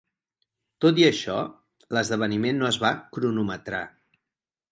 Tot i això, l'esdeveniment no es va cronometrar.